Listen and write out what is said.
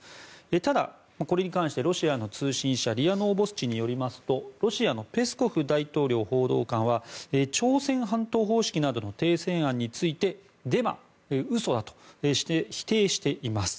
ただ、これに関してロシアの通信社ＲＩＡノーボスチによりますとロシアのペスコフ大統領補佐官は朝鮮半島方式などの停戦案についてデマ、嘘だとして否定しています。